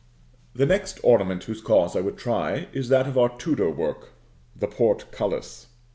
The next ornament whose cause I would try is that of our Tudor work, the portcullis.